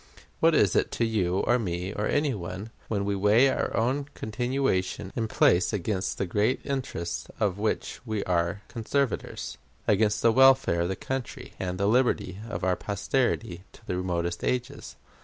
What is it to you, or me, or any one, when we weigh our own continuation in place against the great interests of which we are conservators; against the welfare of the country, and the liberty of our posterity to the remotest ages?